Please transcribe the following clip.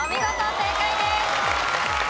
正解です。